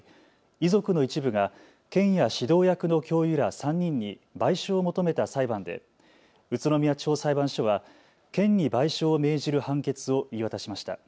遺族の一部が県や指導役の教諭ら３人に賠償を求めた裁判で宇都宮地方裁判所は県に賠償を命じる判決を言い渡しました。